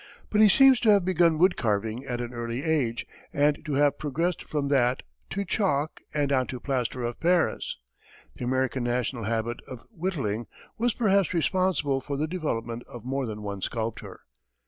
But he seems to have begun woodcarving at an early age, and to have progressed from that to chalk and on to plaster of Paris. The American national habit of whittling was perhaps responsible for the development of more than one sculptor.